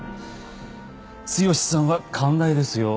剛さんは寛大ですよ。